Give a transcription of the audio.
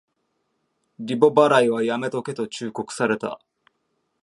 リボ払いはやめとけと忠告された